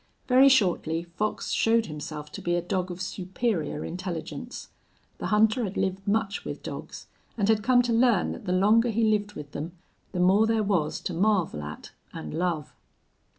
Very shortly Fox showed himself to be a dog of superior intelligence. The hunter had lived much with dogs and had come to learn that the longer he lived with them the more there was to marvel at and love.